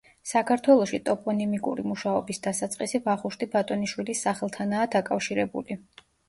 საქართველოში ტოპონიმიკური მუშაობის დასაწყისი ვახუშტი ბატონიშვილის სახელთანაა დაკავშირებული.